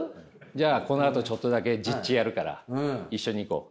じゃあこのあとちょっとだけ実地やるから一緒に行こう。